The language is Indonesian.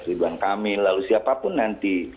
liburan kami lalu siapapun nanti